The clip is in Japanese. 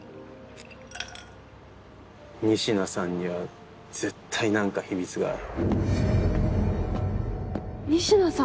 仁科さんには絶対何か秘密がある。